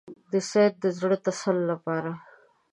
د سید د زړه تسل لپاره.